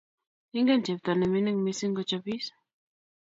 Ingen chepto ne mining mising ko chopis